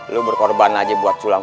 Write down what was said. lo berkorban aja buat sulang